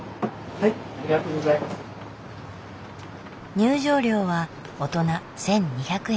入場料は大人１，２００円。